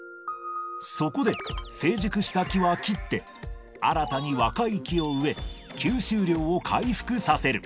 そこで、成熟した木は切って、新たに若い木を植え、吸収量を回復させる。